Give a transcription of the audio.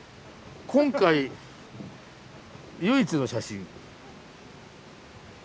今回唯一の写真。